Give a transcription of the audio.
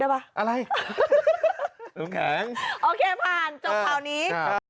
ได้ป่ะอะไรน้ำแข็งโอเคผ่านจบคราวนี้ค่ะ